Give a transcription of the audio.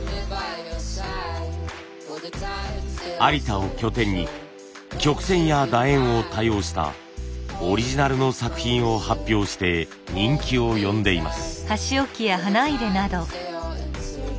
有田を拠点に曲線やだ円を多用したオリジナルの作品を発表して人気を呼んでいます。